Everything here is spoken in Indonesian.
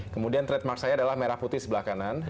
kemudian trademark saya adalah merah putih sebelah kanan